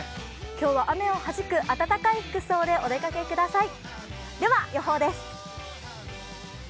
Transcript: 今日は雨をはじく暖かい服装でお出かけください。